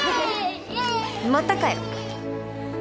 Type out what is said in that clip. またかよ。